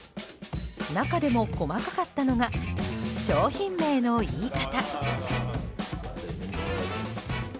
中でも細かかったのが商品名の言い方。